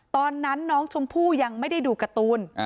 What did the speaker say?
ตอนนั้นน้องชมพู่ยังไม่ได้ดูการ์ตูน